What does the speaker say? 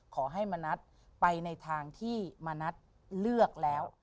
ขอให้มะนัดไปในทางที่มะนัดเลือกแล้ว